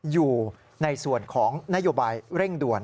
อยู่ในส่วนของนโยบายเร่งด่วน